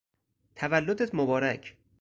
تولدت مبارک!